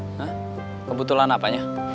hah kebetulan apanya